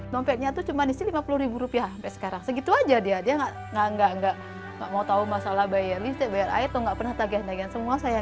nompetnya itu cuma disini rp lima puluh sampai sekarang